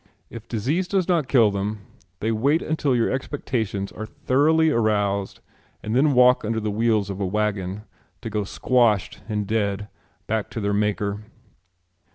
If disease does not kill them they wait until your expectations are thoroughly aroused and then walk under the wheels of a wagon to go squashed and dead back to their maker.